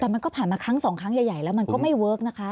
แต่มันก็ผ่านมาครั้งสองครั้งใหญ่แล้วมันก็ไม่เวิร์คนะคะ